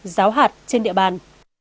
giáo hạt trên địa bàn